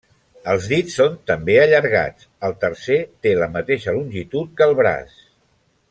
Els dits són també allargats; el tercer té la mateixa longitud que el braç.